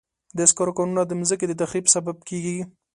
د سکرو کانونه د مځکې د تخریب سبب کېږي.